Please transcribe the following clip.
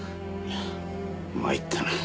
参ったなぁ。